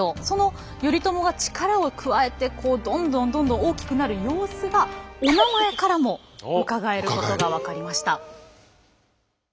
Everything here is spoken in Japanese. その頼朝が力を加えてどんどんどんどん大きくなる様子がおなまえからもうかがえることが分かりました。